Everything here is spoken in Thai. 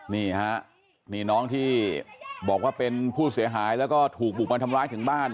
นี่ฮะนี่น้องที่บอกว่าเป็นผู้เสียหายแล้วก็ถูกบุกมาทำร้ายถึงบ้าน